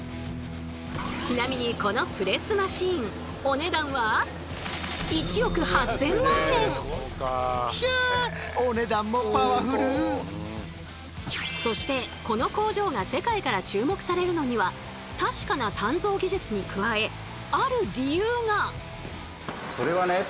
ちなみにこのそしてこの工場が世界から注目されるのには確かな鍛造技術に加えある理由が。